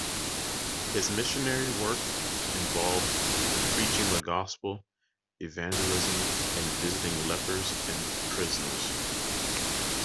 His missionary work involved preaching the Gospel, evangelism, and visiting lepers and prisoners.